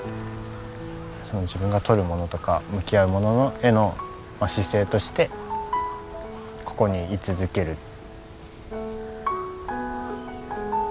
その自分が撮るものとか向き合うものへのまあ姿勢としてここに居続ける。